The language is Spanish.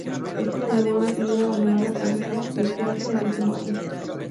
Esto la llevó a decidir abandonar la carrera de teatro en el último año.